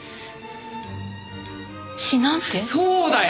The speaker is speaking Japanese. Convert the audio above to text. そうだよ！